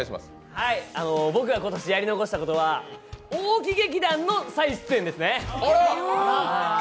僕が今年やり残したことは大木劇団の再出演ですね。